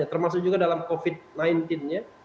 termasuk juga dalam covid sembilan belas nya